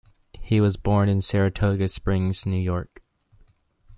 He was born in Saratoga Springs, New York.